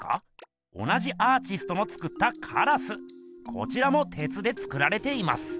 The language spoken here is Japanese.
こちらもてつで作られています。